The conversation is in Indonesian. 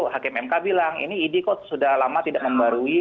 hakim mk bilang ini idi kok sudah lama tidak membarui